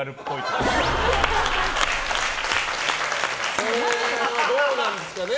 これ、どうなんですかね。